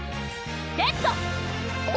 レッド！